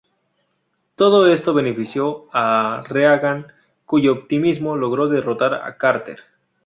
Todo esto benefició a Reagan, cuyo optimismo logró derrotar a Carter.